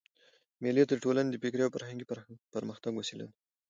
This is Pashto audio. مېلې د ټولني د فکري او فرهنګي پرمختګ وسیله ده.